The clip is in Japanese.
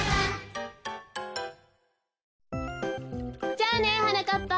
じゃあねはなかっぱ。